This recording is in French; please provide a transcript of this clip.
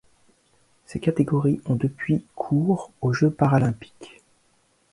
Ces catégories ont depuis cours aux Jeux paralympiques.